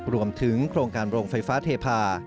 รวมถึงโครงการโรงไฟฟ้าเทพา